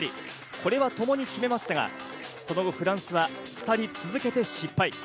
これはともに決めましたが、その後フランスは２人続けて失敗。